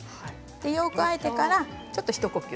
よくあえてからちょっと一呼吸。